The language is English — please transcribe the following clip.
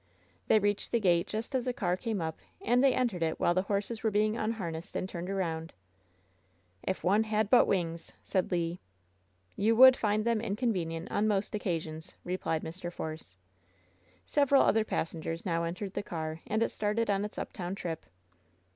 They reached the gate just as a car came up, and they entered it while the horses were being unharnessed and turned around. *'If one had but wings!" said Le. "You would find them inconvenient on most occa sions," replied Mr. Force. Several other passengers now entered the car, and it started on its uptown trip.